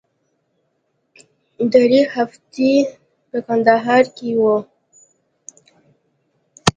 درې هفتې په کندهار کښې وو.